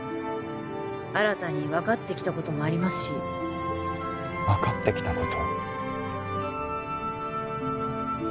新たに分かってきたこともありますし分かってきたこと？